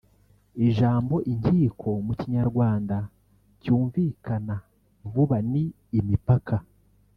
Ijambo “inkiko” mu Kinyarwanda cyumvikana vuba ni imipaka